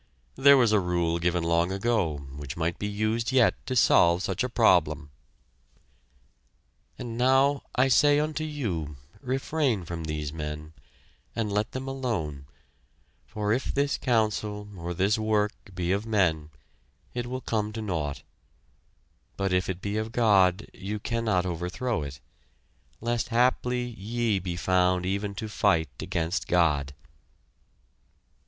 There was a rule given long ago which might be used yet to solve such a problem: "And now I say unto you, Refrain from these men, and let them alone, for if this council, or this work, be of men, it will come to naught, but if it be of God you cannot overthrow it, lest haply ye be found even to fight against God."